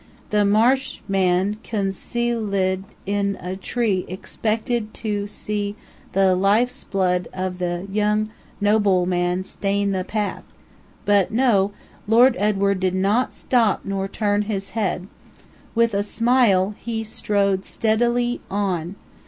The marsh man, con ce al ed in a tree expected to see the life's blood of the young nob le man stain the path. But no, Lord Edward did not stop nor turn his head. With a smile, he strode stead i ly on.